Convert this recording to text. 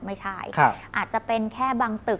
ไม่ใช่อาจจะเป็นแค่บางตึก